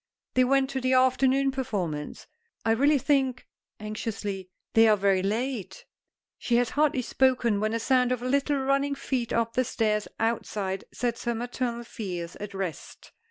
"They went to the afternoon performance. I really think," anxiously, "they are very late " She has hardly spoken when a sound of little running feet up the stairs outside sets her maternal fears at rest.